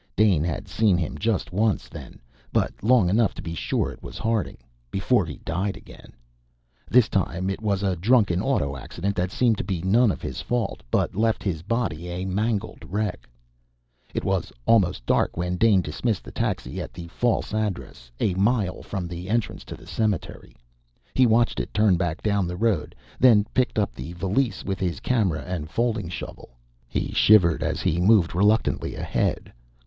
Dane had seen him just once then but long enough to be sure it was Harding before he died again. This time, it was in a drunken auto accident that seemed to be none of his fault, but left his body a mangled wreck. It was almost dark when Dane dismissed the taxi at the false address, a mile from the entrance to the cemetery. He watched it turn back down the road, then picked up the valise with his camera and folding shovel. He shivered as he moved reluctantly ahead.